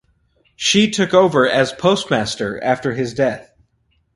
She took over as postmaster after his death.